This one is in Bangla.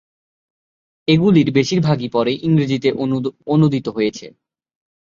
এগুলির বেশীর ভাগই পরে ইংরেজিতে অনুদিত হয়েছে।